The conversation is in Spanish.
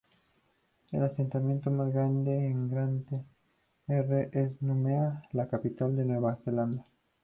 El asentamiento más grande en Grande Terre es Numea, la capital de Nueva Caledonia.